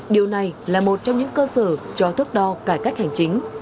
điều này là một trong những cơ sở cho thước đo cải cách hành chính